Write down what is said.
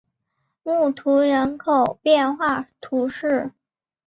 穆图人口变化图示